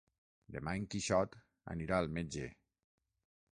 Demà en Quixot anirà al metge.